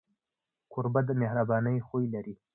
کوربه د مهربانۍ خوی لري.